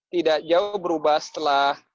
tidak jauh berubah setelah